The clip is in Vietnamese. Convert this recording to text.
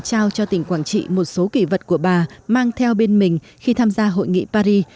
trao cho tỉnh quảng trị một số kỷ vật của bà mang theo bên mình khi tham gia hội nghị paris